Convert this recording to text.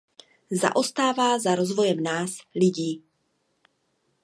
Zaostává za rozvojem nás, lidí.